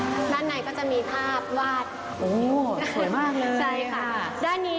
นี่ค่ะด้านในก็จะมีภาพวาด